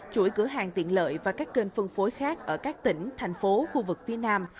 chuỗi cửa hàng tiện lợi và các kênh phân phối khác ở các tỉnh thành phố khu vực phía nam